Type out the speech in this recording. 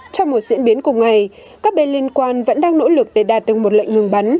trong một diễn biến cùng ngày các bên liên quan vẫn đang nỗ lực để đạt được một lệnh ngừng bắn